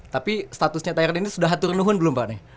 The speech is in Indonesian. tapi statusnya tayran ini sudah hatur henuhun belum pak